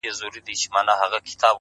• له سړي څخه یې پیل کړلې پوښتني,